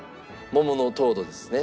桃の糖度ですね。